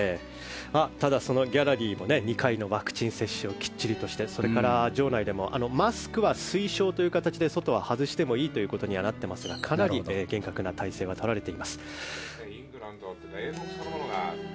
ただ、ギャラリーも２回のワクチン接種をきっちりとしてそれから場内でもマスクは推奨という形で外では外していいとなっていますが、かなり厳格な体制がとられています。